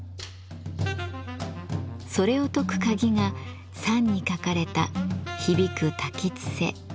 それを解く鍵が賛に書かれた「ひびく瀧つせ」